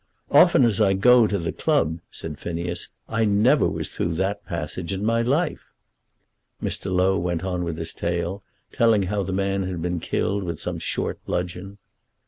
"Often as I go to the club," said Phineas, "I never was through that passage in my life." Mr. Low went on with his tale, telling how the man had been killed with some short bludgeon.